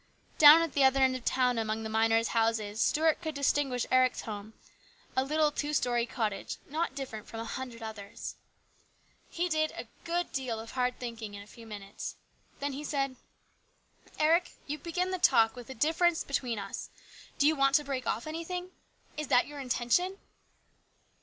Down at the other end of the town among the miners' houses Stuart could distinguish Eric's home, a little two storey cottage, not different from a hundred others. He did a good deal of hard thinking in a few minutes ; then he said :" Eric, you began the talk about the difference 82 HIS BROTHER'S KEEPER. between us. Do you want to break off anything ? Is that your intention